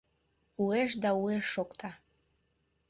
Уэш да уэш шокта.